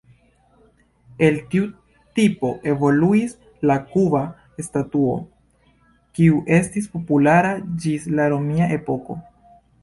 El tiu tipo evoluis la kuba statuo, kiu estis populara ĝis la romia epoko.